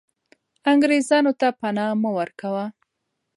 انګریزانو ته پنا مه ورکوه.